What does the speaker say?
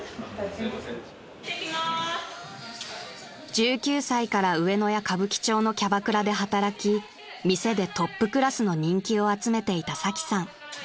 ［１９歳から上野や歌舞伎町のキャバクラで働き店でトップクラスの人気を集めていたサキさん］